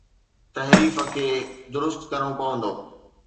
تحريف کي درست ڪرڻو پوندو.